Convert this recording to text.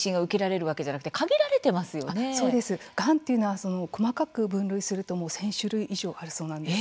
そうなんですがんというのは細かく分類すると１０００種類以上あるそうなんです。